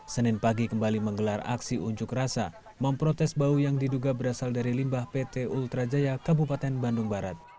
senin pagi kembali menggelar aksi unjuk rasa memprotes bau yang diduga berasal dari limbah pt ultra jaya kabupaten bandung barat